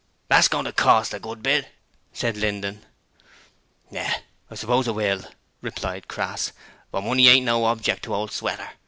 'That's goin' to cost a good bit,' said Linden. 'Yes, I suppose it will,' replied Crass, 'but money ain't no object to old Sweater.